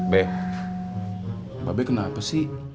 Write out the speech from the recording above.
bah mbak be kenapa sih